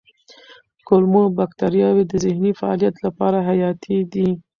کولمو بکتریاوې د ذهني فعالیت لپاره حیاتي دي.